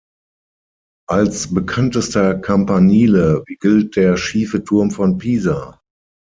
Als bekanntester Campanile gilt der Schiefe Turm von Pisa.